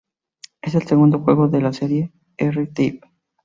Es el segundo juego de la serie R-Type.